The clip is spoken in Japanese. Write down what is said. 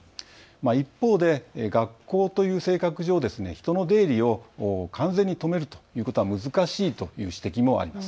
一方で学校という性格上、人の出入りを完全に止めるということは難しいという指摘もあります。